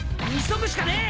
急ぐしかねえ。